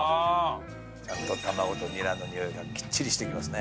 ちゃんと卵とニラのにおいがきっちりしてきますね。